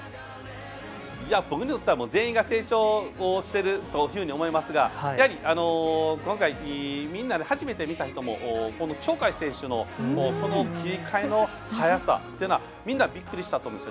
僕にとっては全員が成長してるというふうに思いますがやはり、みんな初めて見た人も鳥海選手の切り替えの早さというのはみんなびっくりしたと思います。